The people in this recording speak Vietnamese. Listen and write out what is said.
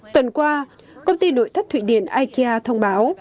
tuần qua công ty nội thất thụy điển ikea thông báo